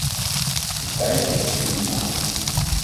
De tijd tikt in ons nadeel.